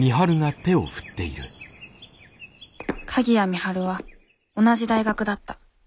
鍵谷美晴は同じ大学だった。